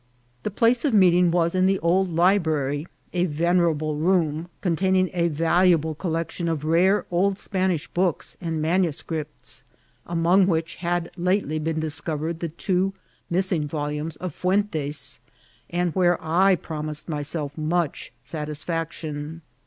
The pkce of meeting was in the old library, ft venerable room, containing a valuable collection of rare old Spanish books and manuscripts, among which had lately been discovered the two missing volumes of Fu* entes, and where I promised myself much satisftu^tion.